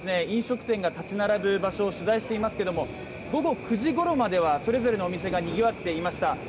飲食店が立ち並ぶ場所を取材していますけども、午後９時頃まではそれぞれのお店が賑わっていました。